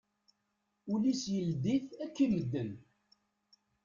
Ul-is, yeldi-t akk i medden.